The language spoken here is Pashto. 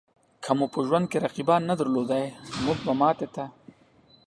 که مو په ژوند کې رقیبان نه درلودای؛ نو مونږ به ماتې ته